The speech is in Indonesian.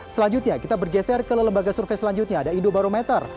selanjutnya kita bergeser ke lembaga survei selanjutnya ada indobarometer